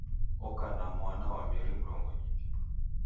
Oka na mwana wa meri mrongo iw'i.